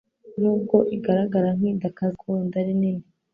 Nubwo igaragara nk'idakaze kuko wenda ari nini,